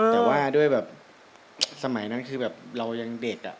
แต่ว่าด้วยแบบสมัยนั้นคือแบบเรายังเด็ก